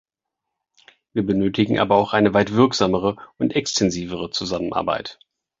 Wir benötigen aber auch eine weit wirksamere und extensivere Zusammenarbeit.